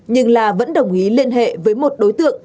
nhưng la vẫn đồng ý liên hệ với một đối tượng